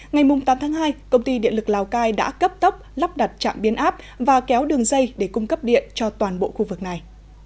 ngày tám tháng hai công ty điện lực lào cai đã cấp tốc lắp đặt trạm biến áp và kéo đường dây để cung cấp điện cho toàn bộ khu vực này